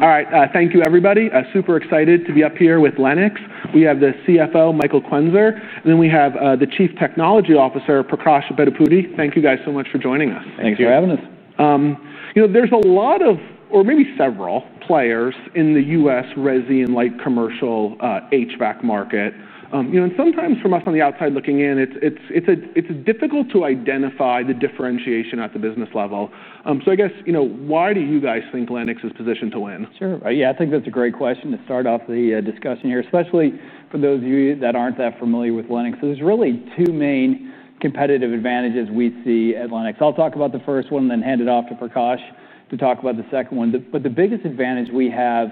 All right. Thank you, everybody. Super excited to be up here with Lennox International. We have the CFO, Michael Quenzer, and then we have the Chief Technology Officer, Prakash Bedapudi. Thank you guys so much for joining us. Thanks for having us. You know, there's a lot of, or maybe several players in the U.S. resi and light commercial HVAC market. You know, sometimes for us on the outside looking in, it's difficult to identify the differentiation at the business level. I guess, you know, why do you guys think Lennox is positioned to win? Sure. Yeah, I think that's a great question to start off the discussion here, especially for those of you that aren't that familiar with Lennox. There's really two main competitive advantages we'd see at Lennox. I'll talk about the first one and then hand it off to Prakash to talk about the second one. The biggest advantage we have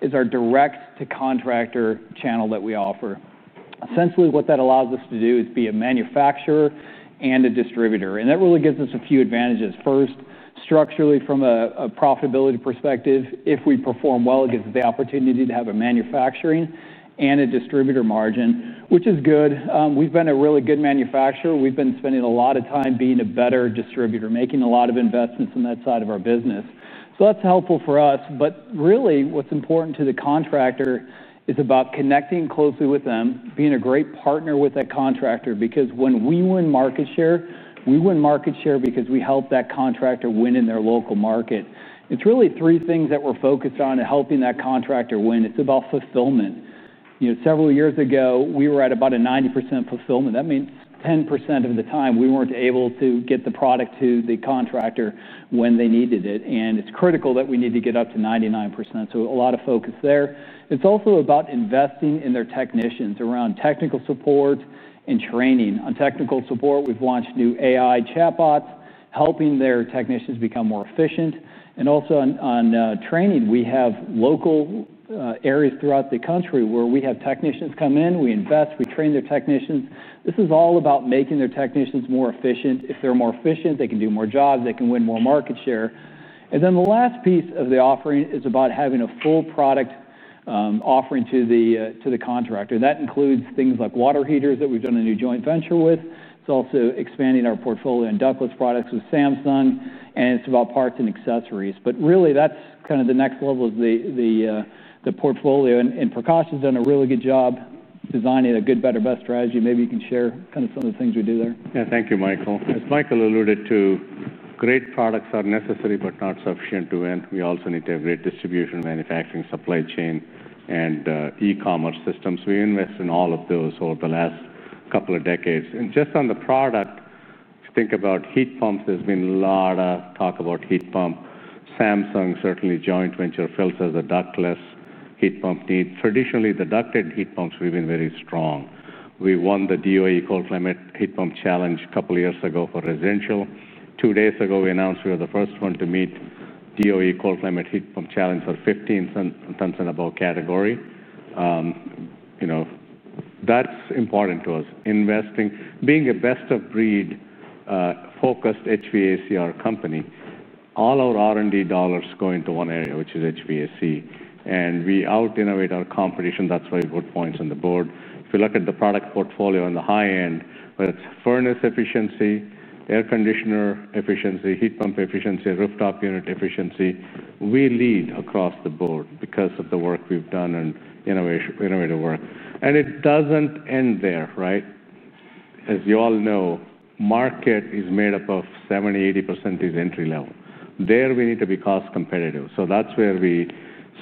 is our direct-to-contractor distribution model that we offer. Essentially, what that allows us to do is be a manufacturer and a distributor. That really gives us a few advantages. First, structurally from a profitability perspective, if we perform well, it gives us the opportunity to have a manufacturing and a distributor margin, which is good. We've been a really good manufacturer. We've been spending a lot of time being a better distributor, making a lot of investments on that side of our business. That’s helpful for us. What's important to the contractor is about connecting closely with them, being a great partner with that contractor. When we win market share, we win market share because we help that contractor win in their local market. It's really three things that we're focused on in helping that contractor win. It's about fulfillment. Several years ago, we were at about a 90% fulfillment. That means 10% of the time we weren't able to get the product to the contractor when they needed it. It's critical that we need to get up to 99%. A lot of focus there. It's also about investing in their technicians around technical support and training. On technical support, we've launched new AI-powered technical support chatbots, helping their technicians become more efficient. Also on training, we have local areas throughout the country where we have technicians come in, we invest, we train their technicians. This is all about making their technicians more efficient. If they're more efficient, they can do more jobs, they can win more market share. The last piece of the offering is about having a full product offering to the contractor. That includes things like water heaters that we've done a new water heater joint venture with. It's also expanding our portfolio in ductless offerings with Samsung. It's about parts and accessories. That's kind of the next level of the portfolio. Prakash has done a really good job designing a good, better, best strategy. Maybe you can share kind of some of the things we do there. Yeah, thank you, Michael. As Michael alluded to, great products are necessary but not sufficient to win. We also need to have great distribution, manufacturing, supply chain, and e-commerce systems. We invest in all of those over the last couple of decades. Just on the product, if you think about heat pumps, there's been a lot of talk about heat pumps. Samsung certainly joint venture fills as a ductless heat pump need. Traditionally, the ducted heat pumps have been very strong. We won the DOE Cold Climate Heat Pump Challenge a couple of years ago for residential. Two days ago, we announced we were the first one to meet DOE Cold Climate Heat Pump Challenge for 15 tons and above category. You know, that's important to us. Investing, being a best-of-breed focused HVAC company, all our R&D dollars go into one area, which is HVAC. We out-innovate our competition. That's why we put points on the board. If you look at the product portfolio on the high end, whether it's furnace efficiency, air conditioner efficiency, heat pump efficiency, rooftop unit efficiency, we lead across the board because of the work we've done and innovative work. It doesn't end there, right? As you all know, the market is made up of 70%, 80% is entry level. There, we need to be cost-competitive. That's where we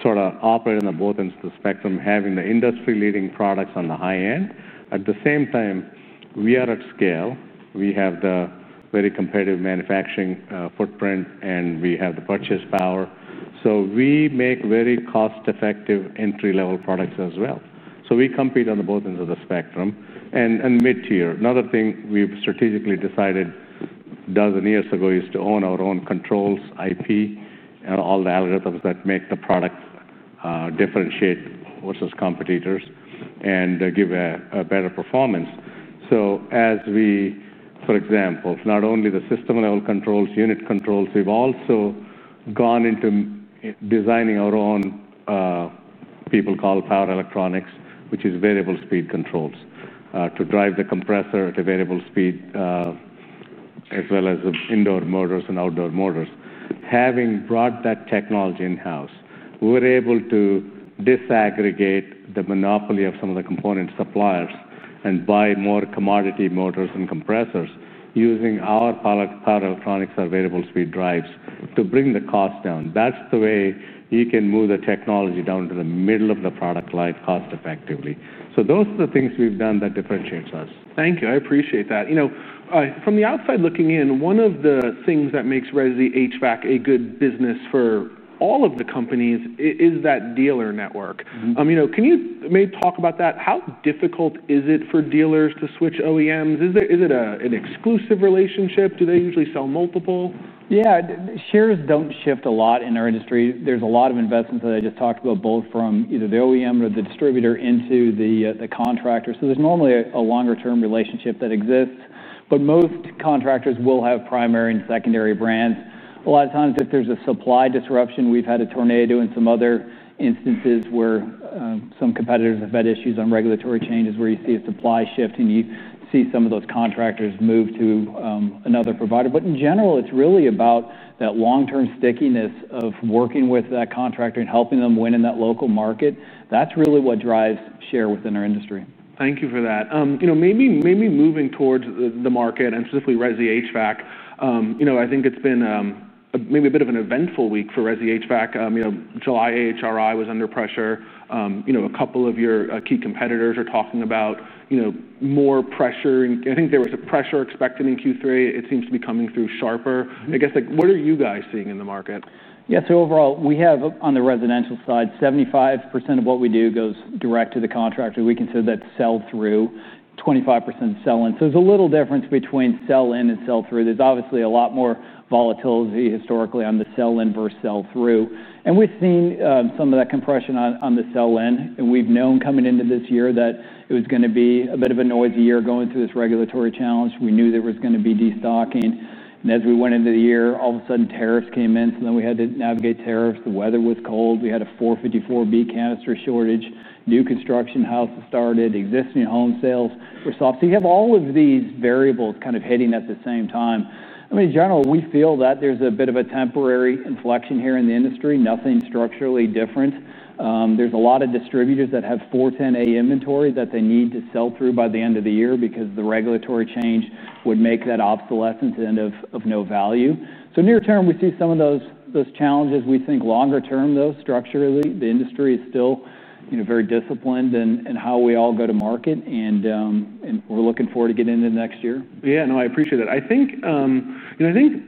sort of operate on both ends of the spectrum, having the industry-leading products on the high end. At the same time, we are at scale. We have the very competitive manufacturing footprint and we have the purchase power. We make very cost-effective entry-level products as well. We compete on both ends of the spectrum and mid-tier. Another thing we've strategically decided dozens of years ago is to own our own controls, IP, and all the algorithms that make the products differentiate versus competitors and give a better performance. For example, not only the system-level controls, unit controls, we've also gone into designing our own, people call power electronics, which is variable speed controls to drive the compressor at a variable speed, as well as indoor motors and outdoor motors. Having brought that technology in-house, we were able to disaggregate the monopoly of some of the component suppliers and buy more commodity motors and compressors using our power electronics or variable speed drives to bring the cost down. That's the way you can move the technology down to the middle of the product line cost effectively. Those are the things we've done that differentiates us. Thank you. I appreciate that. You know, from the outside looking in, one of the things that makes resi HVAC a good business for all of the companies is that dealer network. You know, can you maybe talk about that? How difficult is it for dealers to switch OEMs? Is it an exclusive relationship? Do they usually sell multiple? Yeah, shares don't shift a lot in our industry. There's a lot of investments that I just talked about, both from either the OEM or the distributor into the contractor. There's normally a longer-term relationship that exists. Most contractors will have primary and secondary brands. A lot of times, if there's a supply disruption, we've had a tornado and some other instances where some competitors have had issues on regulatory changes where you see a supply shift and you see some of those contractors move to another provider. In general, it's really about that long-term stickiness of working with that contractor and helping them win in that local market. That's really what drives share within our industry. Thank you for that. Maybe moving towards the market and specifically resi HVAC, I think it's been maybe a bit of an eventful week for resi HVAC. July AHRI was under pressure. A couple of your key competitors are talking about more pressure, and I think there was a pressure expected in Q3. It seems to be coming through sharper. I guess, what are you guys seeing in the market? Yeah, so overall, we have, on the residential side, 75% of what we do goes direct to the contractor. We consider that sell-through, 25% sell-in. There's a little difference between sell-in and sell-through. There's obviously a lot more volatility historically on the sell-in versus sell-through. We've seen some of that compression on the sell-in. We've known coming into this year that it was going to be a bit of a noisy year going through this regulatory challenge. We knew there was going to be destocking. As we went into the year, all of a sudden tariffs came in. We had to navigate tariffs. The weather was cold. We had a 454B canister shortage. New construction houses started. Existing home sales were soft. You have all of these variables kind of hitting at the same time. In general, we feel that there's a bit of a temporary inflection here in the industry. Nothing structurally different. There are a lot of distributors that have 410A inventory that they need to sell through by the end of the year because the regulatory change would make that obsolescence and of no value. Near term, we see some of those challenges. We think longer term, though, structurally, the industry is still very disciplined in how we all go to market. We're looking forward to getting into the next year. Yeah, no, I appreciate that. I think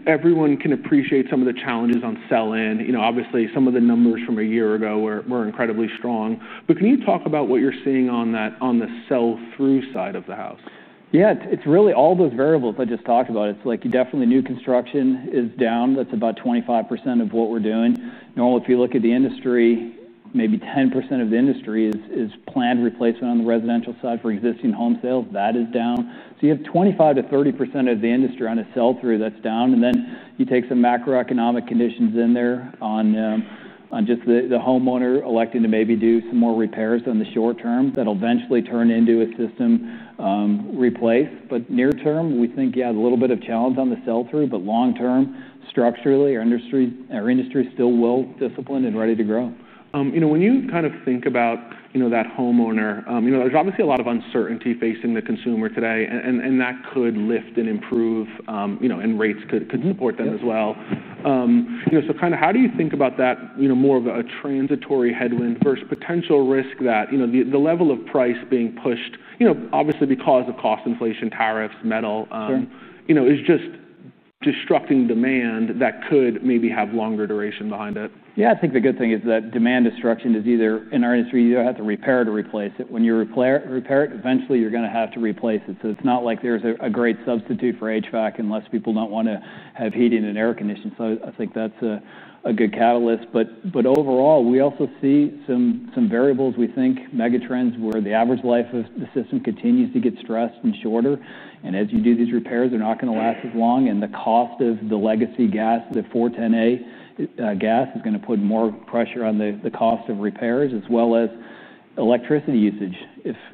everyone can appreciate some of the challenges on sell-in. Obviously, some of the numbers from a year ago were incredibly strong. Can you talk about what you're seeing on the sell-through side of the house? Yeah, it's really all those variables I just talked about. It's like definitely new construction is down. That's about 25% of what we're doing. Now, if you look at the industry, maybe 10% of the industry is planned replacement on the residential side for existing home sales. That is down. You have 25%-30% of the industry on a sell-through that's down. You take some macroeconomic conditions in there on just the homeowner electing to maybe do some more repairs in the short term that'll eventually turn into a system replace. Near term, we think, yeah, a little bit of challenge on the sell-through. Long term, structurally, our industry is still well disciplined and ready to grow. When you kind of think about that homeowner, there's obviously a lot of uncertainty facing the consumer today. That could lift and improve, and rates could support that as well. How do you think about that, more of a transitory headwind versus potential risk that the level of price being pushed, obviously because of cost inflation, tariffs, metal, is just disrupting demand that could maybe have longer duration behind it. Yeah, I think the good thing is that demand destruction is either in our industry, you don't have to repair to replace it. When you repair it, eventually you're going to have to replace it. It's not like there's a great substitute for HVAC unless people don't want to have heating and air conditioning. I think that's a good catalyst. Overall, we also see some variables we think, megatrends, where the average life of the system continues to get stressed and shorter. As you do these repairs, they're not going to last as long. The cost of the legacy gas, the 410A gas, is going to put more pressure on the cost of repairs, as well as electricity usage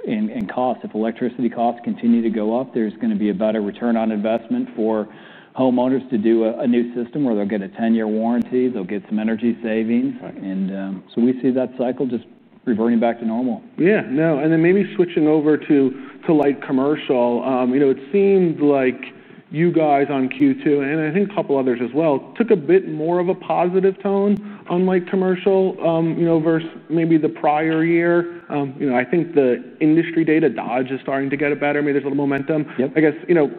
and cost. If electricity costs continue to go up, there's going to be a better return on investment for homeowners to do a new system where they'll get a 10-year warranty. They'll get some energy savings, and we see that cycle just reverting back to normal. Yeah, no, maybe switching over to light commercial. It seemed like you guys on Q2, and I think a couple others as well, took a bit more of a positive tone on light commercial versus maybe the prior year. I think the industry data Dodge is starting to get better, maybe there's a little momentum. I guess,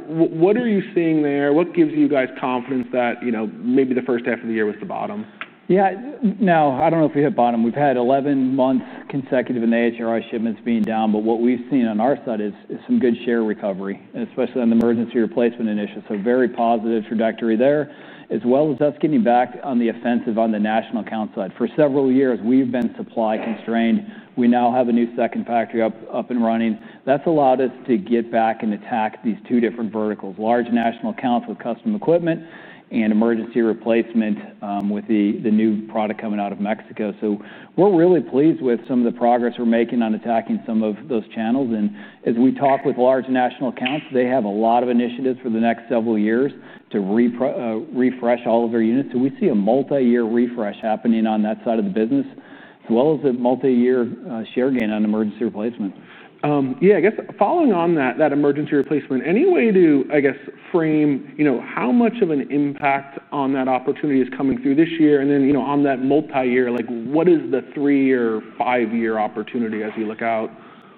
what are you seeing there? What gives you guys confidence that maybe the first half of the year was the bottom? Yeah, no, I don't know if we had bottom. We've had 11 months consecutive in the HRI shipments being down. What we've seen on our side is some good share recovery, especially on the emergency replacement initiative. Very positive trajectory there, as well as us getting back on the offensive on the national account side. For several years, we've been supply constrained. We now have a new second factory up and running. That's allowed us to get back and attack these two different verticals, large national accounts with custom equipment and emergency replacement with the new product coming out of Mexico. We're really pleased with some of the progress we're making on attacking some of those channels. As we talk with large national accounts, they have a lot of initiatives for the next several years to refresh all of their units. We see a multi-year refresh happening on that side of the business, as well as a multi-year share gain on emergency replacement. Yeah, I guess following on that emergency replacement, any way to frame how much of an impact on that opportunity is coming through this year? You know, on that multi-year, what is the three-year, five-year opportunity as you look out?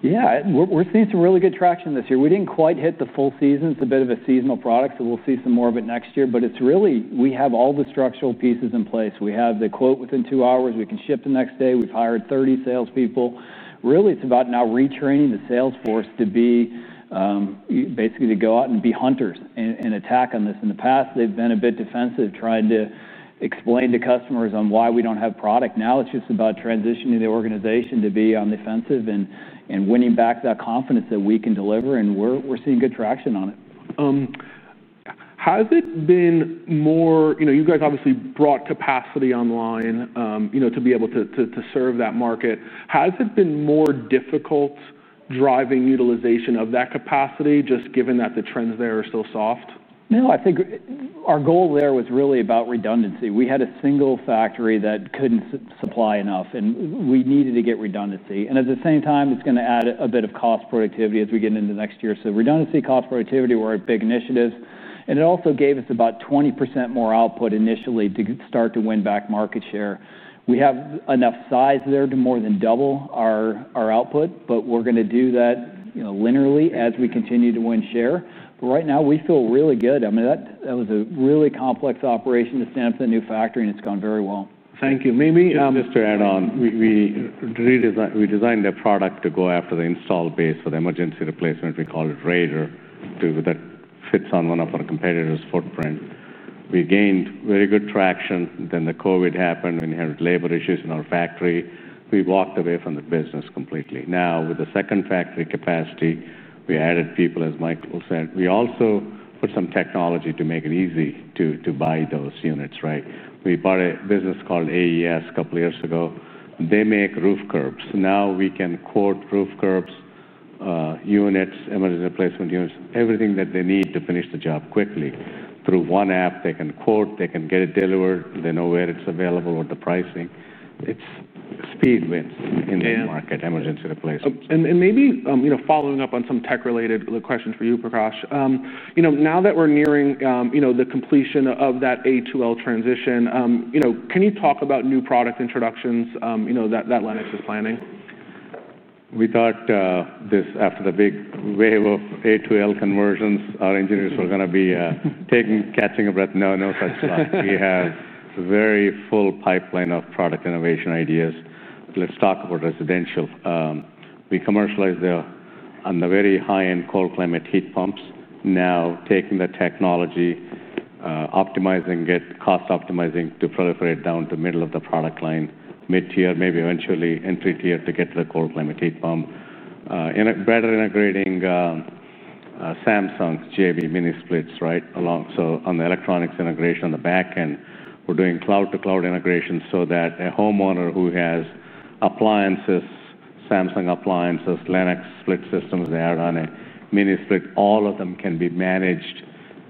Yeah, we're seeing some really good traction this year. We didn't quite hit the full season. It's a bit of a seasonal product. We'll see some more of it next year. We have all the structural pieces in place. We have the quote within two hours. We can ship the next day. We've hired 30 salespeople. Really, it's about now retraining the salesforce to basically go out and be hunters and attack on this. In the past, they've been a bit defensive trying to explain to customers why we don't have product. Now it's just about transitioning the organization to be on the defensive and winning back that confidence that we can deliver. We're seeing good traction on it. Has it been more, you know, you guys obviously brought capacity online to be able to serve that market. Has it been more difficult driving utilization of that capacity, just given that the trends there are so soft? No, I think our goal there was really about redundancy. We had a single factory that couldn't supply enough, and we needed to get redundancy. At the same time, it's going to add a bit of cost productivity as we get into next year. Redundancy and cost productivity were big initiatives. It also gave us about 20% more output initially to start to win back market share. We have enough size there to more than double our output, and we're going to do that linearly as we continue to win share. Right now, we feel really good. That was a really complex operation to stand up in a new factory, and it's gone very well. Thank you. Maybe just to add on, we designed a product to go after the install base for the emergency replacement. We call it Raider, that sits on one of our competitors' footprint. We gained very good traction. Then COVID happened. We had labor issues in our factory. We walked away from the business completely. Now, with the second factory capacity, we added people, as Michael said. We also put some technology to make it easy to buy those units, right? We bought a business called AES a couple of years ago. They make roof curbs. Now we can quote roof curbs, units, emergency replacement units, everything that they need to finish the job quickly. Through one app, they can quote, they can get it delivered. They know where it's available, what the pricing is. It's speed wins in the market, emergency replacement. Maybe, you know, following up on some tech-related questions for you, Prakash. Now that we're nearing the completion of that A2L transition, can you talk about new product introductions that Lennox is planning? We thought this after the big wave of A2L conversions, our engineers were going to be taking, catching a breath. No, no such thought. We have a very full pipeline of product innovation ideas. Let's talk about residential. We commercialize there on the very high-end cold climate heat pumps. Now, taking the technology, optimizing it, cost optimizing to proliferate down to the middle of the product line, mid-tier, maybe eventually entry tier to get to the cold climate heat pump. Better integrating Samsung's JB mini splits, right? On the electronics integration on the back end, we're doing cloud-to-cloud integration so that a homeowner who has appliances, Samsung appliances, Lennox split systems, they add on a mini split. All of them can be managed,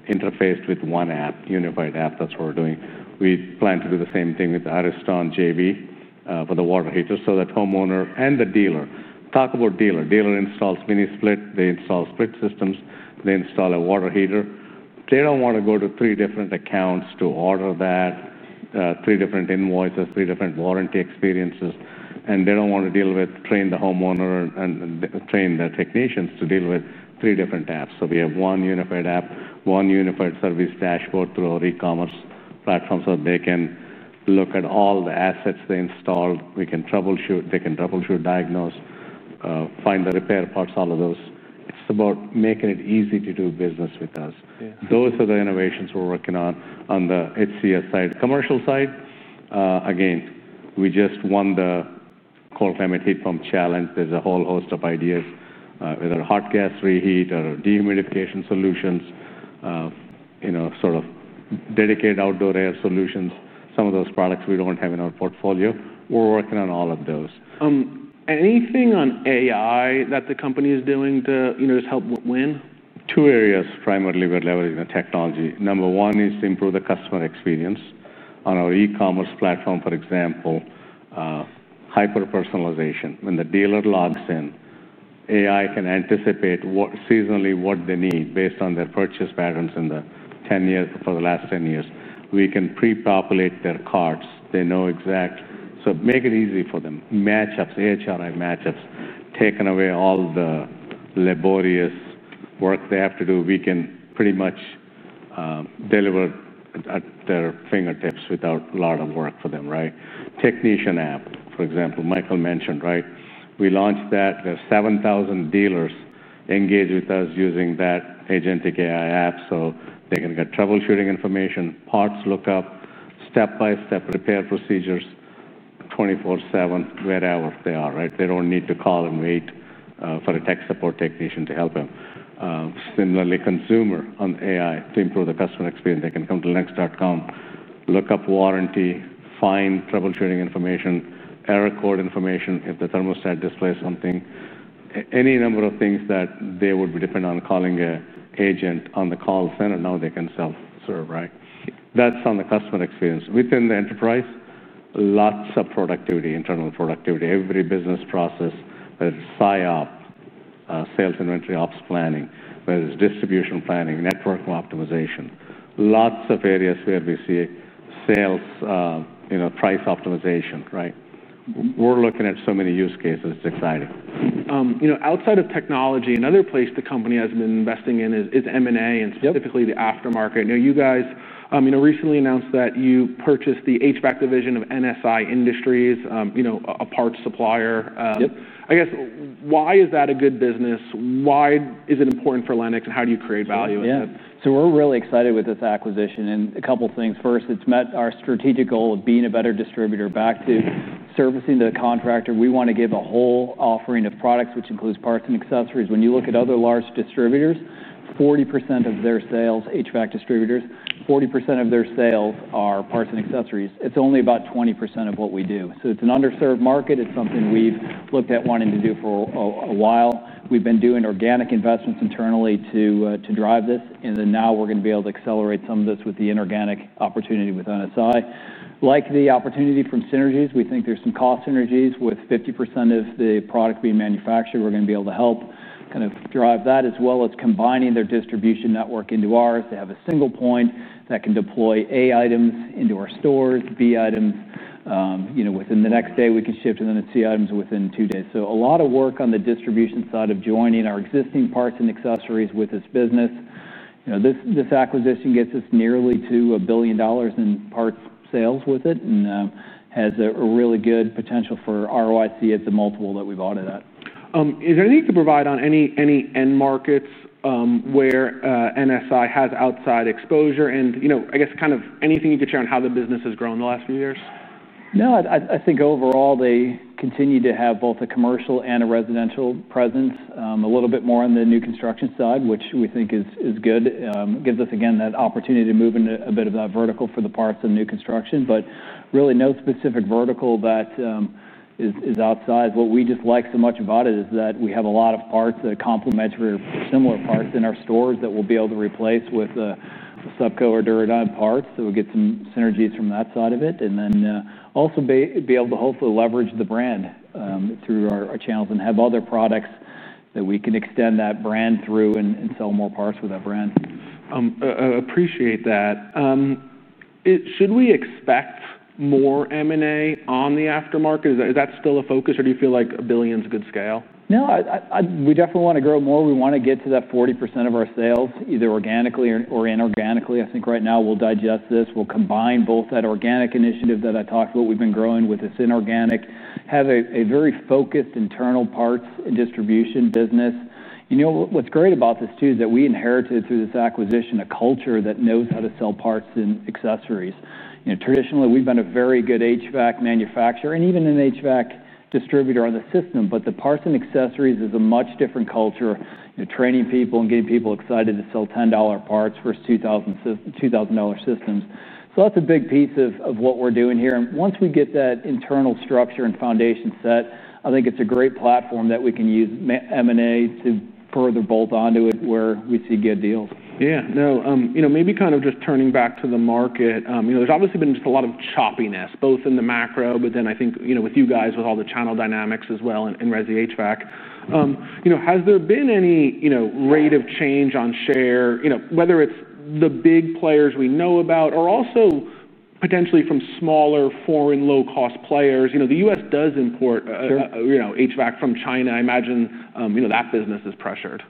interfaced with one app, unified app. That's what we're doing. We plan to do the same thing with the Ariston JB for the water heater. That way, the homeowner and the dealer, talk about dealer. Dealer installs mini split. They install split systems. They install a water heater. They don't want to go to three different accounts to order that, three different invoices, three different warranty experiences. They don't want to deal with training the homeowner and training their technicians to deal with three different apps. We have one unified app, one unified service dashboard through our e-commerce platform so that they can look at all the assets they install. We can troubleshoot. They can troubleshoot, diagnose, find the repair parts, all of those. It's about making it easy to do business with us. Those are the innovations we're working on on the HCS side. Commercial side, again, we just won the cold climate heat pump challenge. There's a whole host of ideas, whether hot gas reheat or dehumidification solutions, sort of dedicated outdoor air solutions. Some of those products we don't have in our portfolio. We're working on all of those. Anything on AI that the company is doing to, you know, just help win? Two areas primarily we're leveraging the technology. Number one is to improve the customer experience on our e-commerce platform. For example, hyper-personalization. When the dealer logs in, AI can anticipate seasonally what they need based on their purchase patterns for the last 10 years. We can pre-populate their carts. They know exactly. Make it easy for them. Matchups, AHRI matchups, taking away all the laborious work they have to do. We can pretty much deliver at their fingertips without a lot of work for them, right? Technician app, for example, Michael mentioned, right? We launched that. There are 7,000 dealers engaged with us using that agentic AI app. They can get troubleshooting information, parts lookup, step-by-step repair procedures, 24/7, wherever they are, right? They don't need to call and wait for a tech support technician to help them. Similarly, consumer on AI to improve the customer experience. They can come to lennox.com, look up warranty, find troubleshooting information, error code information if the thermostat displays something, any number of things that they would be dependent on calling an agent on the call center. Now they can self-serve, right? That's on the customer experience. Within the enterprise, lots of productivity, internal productivity. Every business process, there's SIOP, sales inventory ops planning, there's distribution planning, network optimization, lots of areas where we see sales, price optimization, right? We're looking at so many use cases. It's exciting. You know, outside of technology, another place the company has been investing in is M&A and specifically the aftermarket. You guys recently announced that you purchased the HVAC division of NSI Industries, you know, a parts supplier. I guess, why is that a good business? Why is it important for Lennox and how do you create value with it? Yeah, so we're really excited with this acquisition. A couple of things. First, it's met our strategic goal of being a better distributor back to servicing the contractor. We want to give a whole offering of products, which includes parts and accessories. When you look at other large distributors, 40% of their sales, HVAC distributors, 40% of their sales are parts and accessories. It's only about 20% of what we do. It's an underserved market. It's something we've looked at wanting to do for a while. We've been doing organic investments internally to drive this. Now we're going to be able to accelerate some of this with the inorganic opportunity with NSI Industries. Like the opportunity from synergies, we think there's some cost synergies with 50% of the product being manufactured. We're going to be able to help kind of drive that, as well as combining their distribution network into ours. They have a single point that can deploy A items into our stores, B items. Within the next day, we can ship to the next C items within two days. A lot of work on the distribution side of joining our existing parts and accessories with this business. This acquisition gets us nearly to $1 billion in parts sales with it and has a really good potential for ROIC at the multiple that we've audited at. Is there anything to provide on any end markets where NSI has outside exposure? I guess kind of anything you could share on how the business has grown in the last few years? No, I think overall they continue to have both a commercial and a residential presence. A little bit more on the new construction side, which we think is good. It gives us, again, that opportunity to move in a bit of that vertical for the parts and new construction. Really, no specific vertical that is outside. What we just like so much about it is that we have a lot of parts that complement similar parts in our stores that we'll be able to replace with sub-colored Duro Dyne parts. We get some synergies from that side of it. We also hope to leverage the brand through our channels and have other products that we can extend that brand through and sell more parts with that brand. Appreciate that. Should we expect more M&A on the aftermarket? Is that still a focus or do you feel like $1 billion is a good scale? No, we definitely want to grow more. We want to get to that 40% of our sales, either organically or inorganically. I think right now we'll digest this. We'll combine both that organic initiative that I talked about we've been growing with this inorganic, have a very focused internal parts and distribution business. What's great about this too is that we inherited through this acquisition a culture that knows how to sell parts and accessories. Traditionally we've been a very good HVAC manufacturer and even an HVAC distributor on the system. The parts and accessories is a much different culture, training people and getting people excited to sell $10 parts versus $2,000 systems. That's a big piece of what we're doing here. Once we get that internal structure and foundation set, I think it's a great platform that we can use M&A to further bolt onto it where we see good deals. Yeah, maybe kind of just turning back to the market. There's obviously been just a lot of choppiness, both in the macro, but then I think with you guys with all the channel dynamics as well in resi HVAC. Has there been any rate of change on share, whether it's the big players we know about or also potentially from smaller foreign low-cost players? The U.S. does import HVAC from China. I imagine that business is pressured.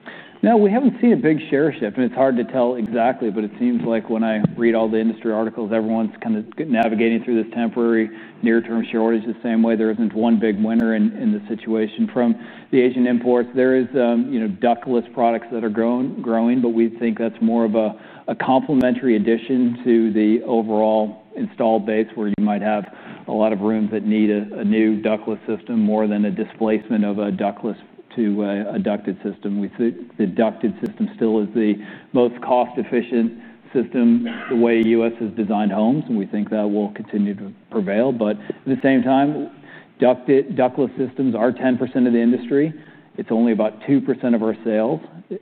No, we haven't seen a big share shift. It's hard to tell exactly, but it seems like when I read all the industry articles, everyone's kind of navigating through this temporary near-term shortage the same way. There isn't one big winner in the situation. From the Asian imports, there are, you know, ductless products that are growing, but we think that's more of a complementary addition to the overall installed base where you might have a lot of rooms that need a new ductless system more than a displacement of a ductless to a ducted system. We think the ducted system still is the most cost-efficient system the way the U.S. has designed homes, and we think that will continue to prevail. At the same time, ductless systems are 10% of the industry. It's only about 2% of our sales.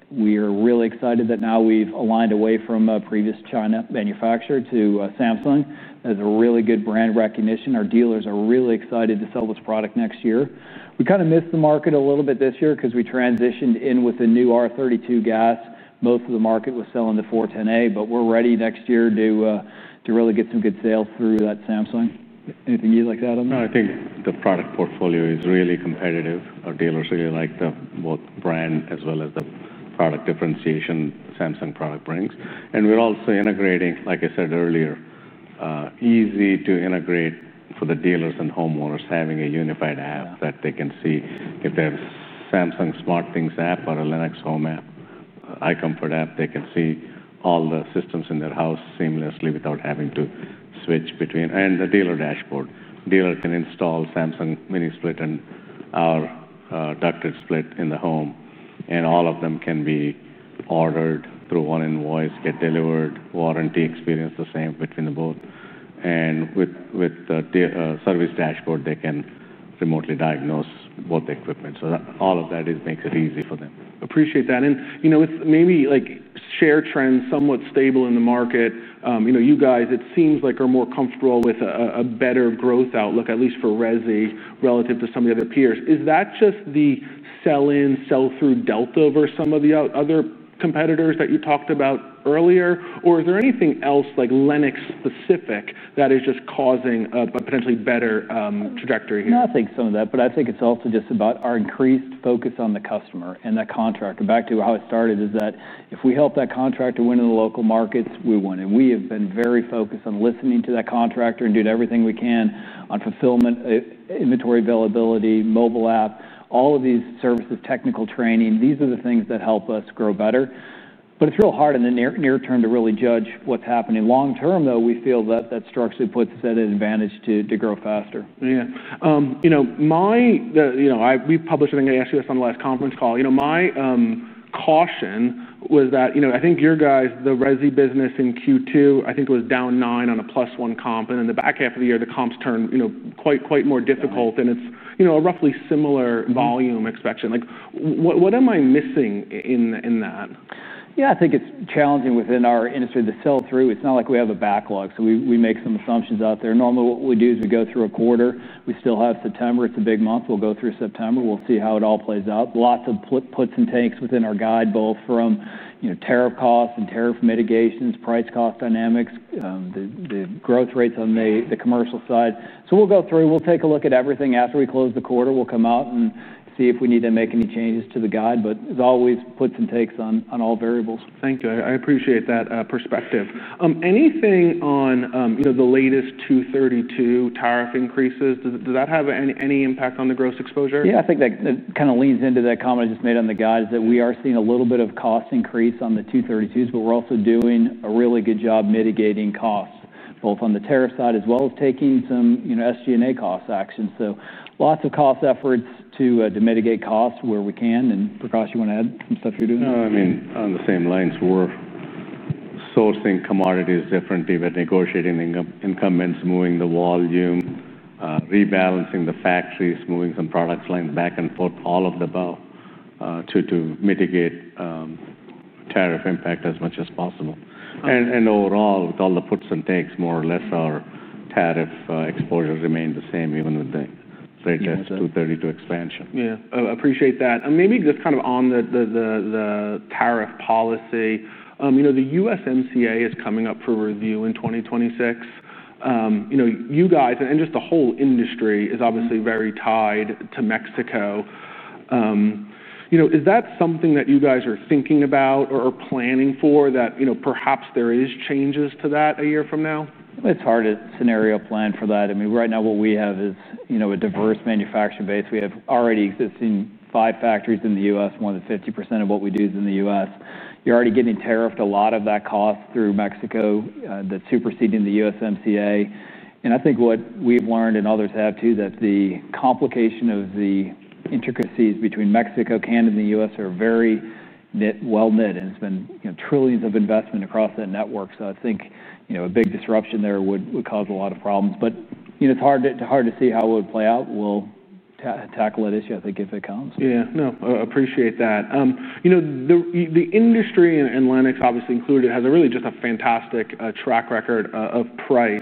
We are really excited that now we've aligned away from a previous China manufacturer to Samsung. That is a really good brand recognition. Our dealers are really excited to sell this product next year. We kind of missed the market a little bit this year because we transitioned in with the new R32 gas. Most of the market was selling the 410A, but we're ready next year to really get some good sales through that Samsung. Anything you'd like to add on? No, I think the product portfolio is really competitive. Our dealers really like both the brand as well as the product differentiation the Samsung product brings. We're also integrating, like I said earlier, easy to integrate for the dealers and homeowners, having a unified app that they can see. If they have a Samsung SmartThings app or a Lennox Home app, iComfort app, they can see all the systems in their house seamlessly without having to switch between. The dealer dashboard, the dealer can install Samsung mini split and our ducted split in the home, and all of them can be ordered through one invoice, get delivered, warranty experience the same between both. With the service dashboard, they can remotely diagnose both the equipment. All of that makes it easy for them. Appreciate that. With maybe like share trends somewhat stable in the market, you guys, it seems like, are more comfortable with a better growth outlook, at least for resi relative to some of the other peers. Is that just the sell-in, sell-through delta versus some of the other competitors that you talked about earlier, or is there anything else like Lennox specific that is just causing a potentially better trajectory here? No, I think some of that, but I think it's also just about our increased focus on the customer and the contractor. Back to how it started is that if we help that contractor win in the local markets, we win. We have been very focused on listening to that contractor and doing everything we can on fulfillment, inventory availability, mobile app, all of these services, technical training. These are the things that help us grow better. It's real hard in the near term to really judge what's happening. Long term, though, we feel that that structurally puts us at an advantage to grow faster. Yeah, you know, we published, I think I asked you this on the last conference call. My caution was that I think your guys, the resi business in Q2, I think it was down 9% on a plus 1% comp. In the back half of the year, the comps turned quite, quite more difficult, and it's a roughly similar volume expansion. What am I missing in that? Yeah, I think it's challenging within our industry to sell through. It's not like we have a backlog. We make some assumptions out there. Normally, what we do is we go through a quarter. We still have September. It's a big month. We'll go through September and see how it all plays out. Lots of puts and takes within our guide, both from tariff costs and tariff mitigations, price cost dynamics, the growth rates on the commercial side. We'll go through and take a look at everything after we close the quarter. We'll come out and see if we need to make any changes to the guide. There's always puts and takes on all variables. Thank you. I appreciate that perspective. Anything on the latest 232 tariff increases? Does that have any impact on the gross exposure? Yeah, I think that kind of leads into that comment I just made on the guide. We are seeing a little bit of cost increase on the 232s, but we're also doing a really good job mitigating costs, both on the tariff side as well as taking some SG&A cost actions. Lots of cost efforts to mitigate costs where we can. Prakash, you want to add some stuff you're doing? No, I mean, on the same lines, we're sourcing commodities differently. We're negotiating incumbents, moving the volume, rebalancing the factories, moving some product lines back and forth, all of the above to mitigate tariff impact as much as possible. Overall, with all the puts and takes, more or less, our tariff exposure remained the same even with the 30%, that's 232 expansion. Yeah, I appreciate that. Maybe just kind of on the tariff policy, you know, the USMCA is coming up for review in 2026. You know, you guys and just the whole industry is obviously very tied to Mexico. You know, is that something that you guys are thinking about or planning for, that, you know, perhaps there are changes to that a year from now? It's hard to scenario plan for that. Right now what we have is a diverse manufacturing base. We have already existing five factories in the U.S., more than 50% of what we do is in the U.S. You're already getting tariffed a lot of that cost through Mexico that's superseding the USMCA. I think what we've learned, and others have too, is that the complication of the intricacies between Mexico, Canada, and the U.S. are very well knit. It's been trillions of investment across that network. I think a big disruption there would cause a lot of problems. It's hard to see how it would play out. We'll tackle that issue, I think, if it comes. Yeah, no, I appreciate that. You know, the industry and Lennox obviously included has a really just a fantastic track record of price.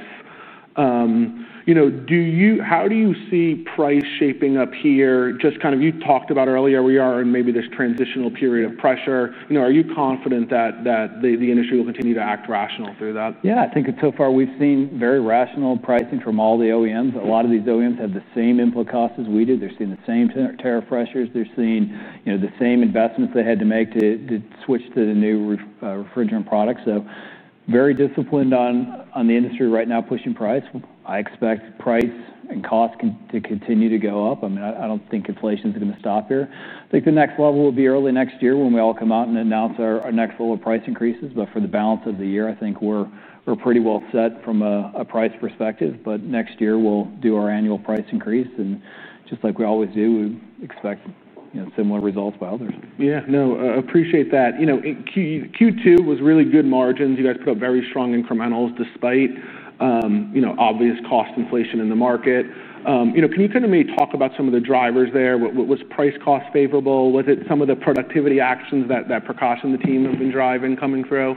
Do you, how do you see price shaping up here? Just kind of, you talked about earlier, we are in maybe this transitional period of pressure. Are you confident that the industry will continue to act rational through that? Yeah, I think so far we've seen very rational pricing from all the OEMs. A lot of these OEMs have the same input costs as we do. They're seeing the same tariff pressures. They're seeing the same investments they had to make to switch to the new refrigerant products. Very disciplined on the industry right now pushing price. I expect price and cost to continue to go up. I don't think inflation is going to stop here. I think the next level will be early next year when we all come out and announce our next full round of price increases. For the balance of the year, I think we're pretty well set from a price perspective. Next year, we'll do our annual price increase, and just like we always do, we expect similar results by others. Yeah, no, I appreciate that. Q2 was really good margins. You guys put up very strong incrementals despite obvious cost inflation in the market. Can you kind of maybe talk about some of the drivers there? Was price cost favorable? Was it some of the productivity actions that Prakash and the team have been driving coming through?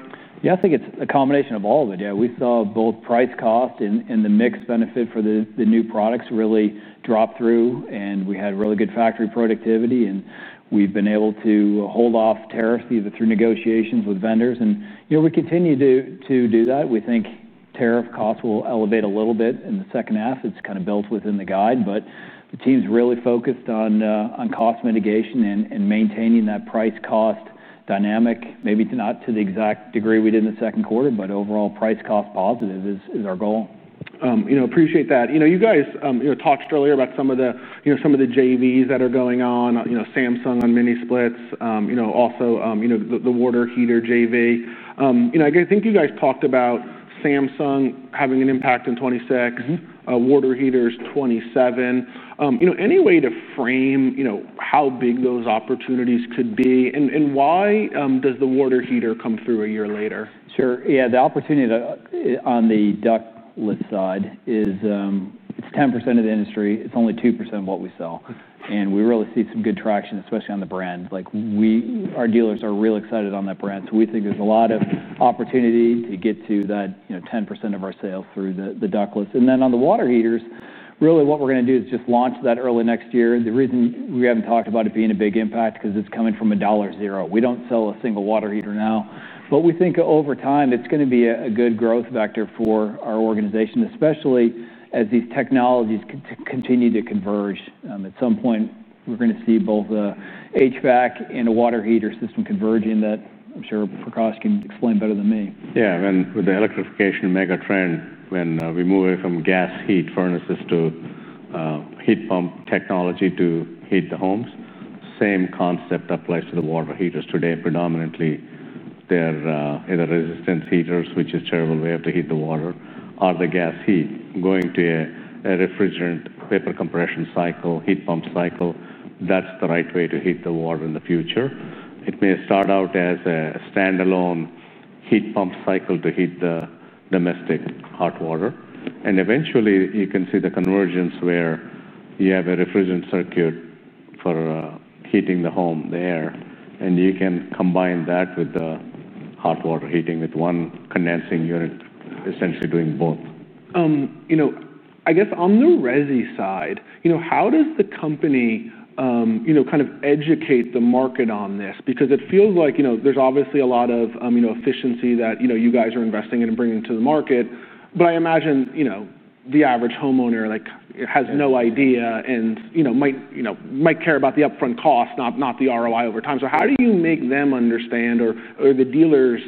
I think it's a combination of all of it. We saw both price-cost and the mixed benefit for the new products really drop through. We had really good factory productivity. We've been able to hold off tariffs either through negotiations with vendors. We continue to do that. We think tariff costs will elevate a little bit in the second half. It's kind of built within the guide. The team's really focused on cost mitigation and maintaining that price-cost dynamic. Maybe not to the exact degree we did in the second quarter, but overall price-cost positive is our goal. I appreciate that. You guys talked earlier about some of the JVs that are going on, Samsung on mini splits, also the water heater JV. I think you guys talked about Samsung having an impact in 2026, water heaters 2027. Any way to frame how big those opportunities could be? Why does the water heater come through a year later? Sure. Yeah, the opportunity on the ductless side is it's 10% of the industry. It's only 2% of what we sell. We really see some good traction, especially on the brand. Our dealers are really excited on that brand. We think there's a lot of opportunity to get to that 10% of our sales through the ductless. On the water heaters, really what we're going to do is just launch that early next year. The reason we haven't talked about it being a big impact is because it's coming from a dollar zero. We don't sell a single water heater now. We think over time it's going to be a good growth vector for our organization, especially as these technologies continue to converge. At some point, we're going to see both the HVAC and a water heater system converging that I'm sure Prakash can explain better than me. Yeah, with the electrification mega trend, when we move away from gas heat furnaces to heat pump technology to heat the homes, the same concept applies to the water heaters. Today, predominantly, they're either resistance heaters, which is a terrible way to heat the water, or the gas heat going to a refrigerant vapor compression cycle, heat pump cycle. That's the right way to heat the water in the future. It may start out as a standalone heat pump cycle to heat the domestic hot water. Eventually, you can see the convergence where you have a refrigerant circuit for heating the home, the air, and you can combine that with the hot water heating with one condensing unit, essentially doing both. I guess on the resi side, how does the company kind of educate the market on this? It feels like there's obviously a lot of efficiency that you guys are investing in and bringing to the market. I imagine the average homeowner has no idea and might care about the upfront cost, not the ROI over time. How do you make them understand, or the dealers,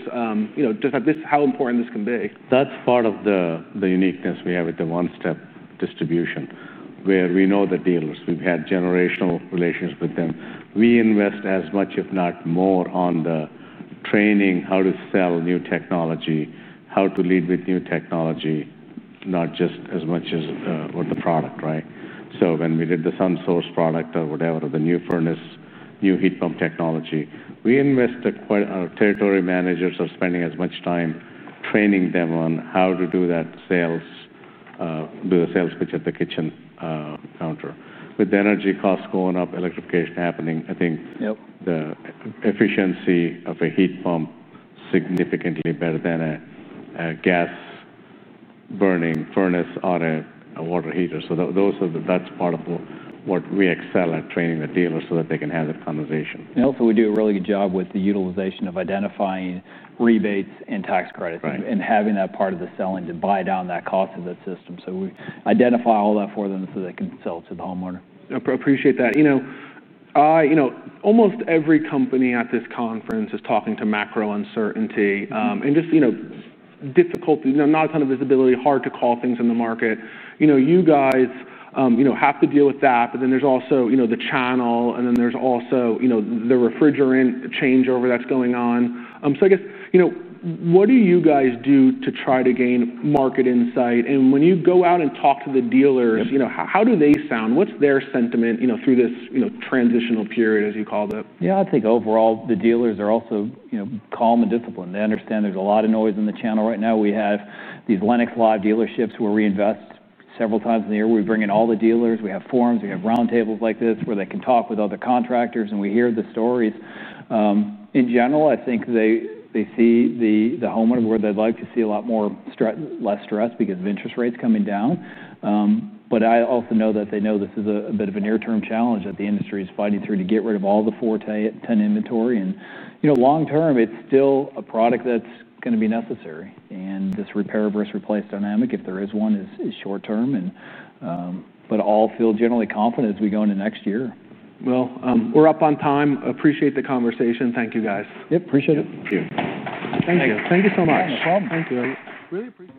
just that this is how important this can be? That's part of the uniqueness we have with the one-step distribution where we know the dealers. We've had generational relations with them. We invest as much, if not more, on the training, how to sell new technology, how to lead with new technology, not just as much as with the product, right? When we did the SunSource product or the new furnace, new heat pump technology, we invest quite a lot. Our territory managers are spending as much time training them on how to do that sales, do the sales pitch at the kitchen counter. With the energy costs going up, electrification happening, I think the efficiency of a heat pump is significantly better than a gas-burning furnace or a water heater. That's part of what we excel at, training the dealers so that they can have that conversation. We do a really good job with the utilization of identifying rebates and tax credits and having that part of the selling to buy down that cost of that system. We identify all that for them so they can sell it to the homeowner. Appreciate that. Almost every company at this conference is talking to macro uncertainty and just difficulty, not a ton of visibility, hard to call things in the market. You guys have to deal with that, but then there's also the channel, and then there's also the refrigerant changeover that's going on. I guess, what do you guys do to try to gain market insight? When you go out and talk to the dealers, how do they sound? What's their sentiment through this transitional period, as you called it? Yeah, I think overall the dealers are also, you know, calm and disciplined. They understand there's a lot of noise in the channel. Right now, we have these Lennox Live dealerships where we invest several times in the year. We bring in all the dealers. We have forums. We have roundtables like this where they can talk with other contractors, and we hear the stories. In general, I think they see the homeowners where they'd like to see a lot more less stress because of interest rates coming down. I also know that they know this is a bit of a near-term challenge that the industry is fighting through to get rid of all the 410 inventory. You know, long term, it's still a product that's going to be necessary. This repair versus replace dynamic, if there is one, is short term. All feel generally confident as we go into next year. We're up on time. Appreciate the conversation. Thank you, guys. Yep, appreciate it. Thank you. Thank you. Thank you so much. No problem. Thank you. Really appreciate it.